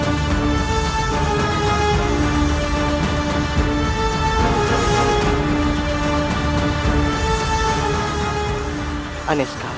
aku akan menemukanmu